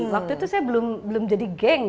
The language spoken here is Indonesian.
waktu itu saya belum jadi geng